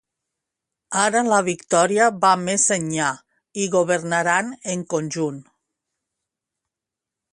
Ara la victòria va més enllà i governaran en conjunt.